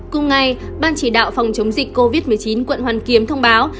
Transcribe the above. cùng ngày ban chỉ đạo phòng chống dịch covid một mươi chín quận hoàn kiếm thông báo